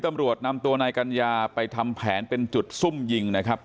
ตำรวจนำตัวนายกัญญาไปทำแผนเป็นจุดซุ่มยิงนะครับ